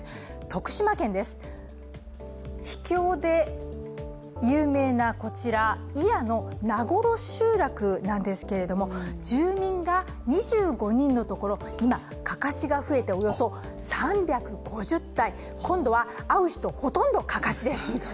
徳島県です、秘境で有名なこちら、祖谷の名頃集落なんですが住民が２５人のところ、今、かかしが増えて３５０体、今度は会う人ほとんどかかしです。